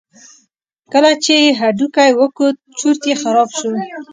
کله چې یې هډوکی وکوت چورت یې خراب شو.